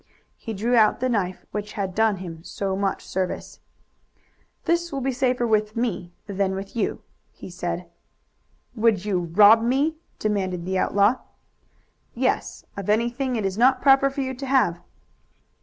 He drew out the knife which had done him so much service. "This will be safer with me than with you," he said. "Would you rob me?" demanded the outlaw. "Yes, of anything it is not proper for you to have."